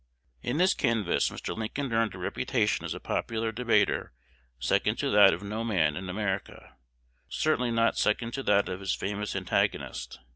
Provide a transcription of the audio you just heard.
'" In this canvass Mr. Lincoln earned a reputation as a popular debater second to that of no man in America, certainly not second to that of his famous antagonist.